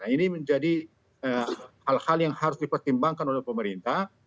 ini menjadi hal hal yang harus dipertimbangkan oleh pemerintah